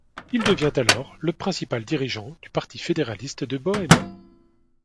Il devient alors le principal dirigeant du Parti fédéraliste de Bohème.